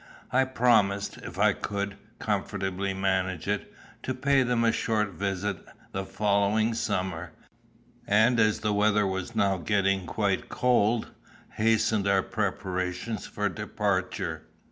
I promised, if I could comfortably manage it, to pay them a short visit the following summer, and as the weather was now getting quite cold, hastened our preparations for departure.